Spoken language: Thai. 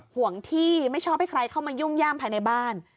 ห่วงที่ไม่ชอบให้ใครเข้ามายุ่มย่ามภายในบ้าน